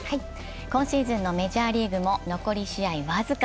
今シーズンのメジャーリーグも残り試合僅か。